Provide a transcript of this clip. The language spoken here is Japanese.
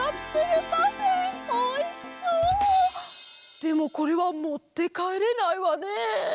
でもこれはもってかえれないわね。